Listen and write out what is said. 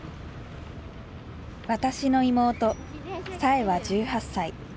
私の妹彩英は１８歳。